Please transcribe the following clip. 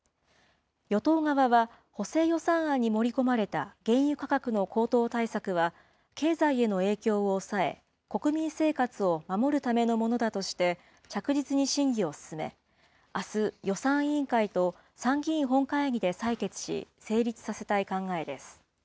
与党側は、補正予算案に盛り込まれた原油価格の高騰対策は経済への影響を抑え、国民生活を守るためのものだとして、着実に審議を進め、あす、予算委員会と参議院本会議で採決し、成立させたい考えです。